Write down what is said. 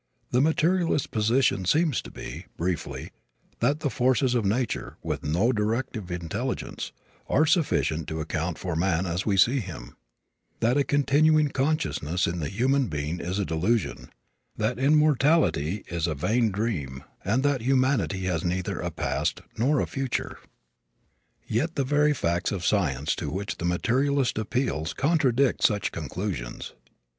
The materialist's position seems to be, briefly, that the forces of nature, with no directive intelligence, are sufficient to account for man as we see him; that a continuing consciousness in the human being is a delusion; that immortality is a vain dream and that humanity has neither a past nor a future. Yet the very facts of science to which the materialist appeals contradict such conclusions.